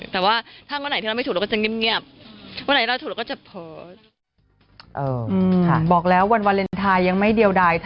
แต่ว่าทั้งวันไหนที่เราไม่ถูกเราก็จะเงียบ